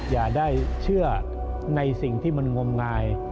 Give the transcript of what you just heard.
อย่าได้เชื่อในสิ่งที่มันงมงาย